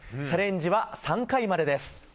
チャレンジは３回までです。